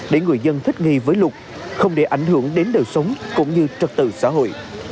để người dân thích nghi với luật không để ảnh hưởng đến đời sống cũng như trật tự xã hội